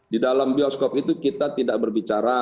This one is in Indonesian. di dalam bioskop itu kita tidak berbicara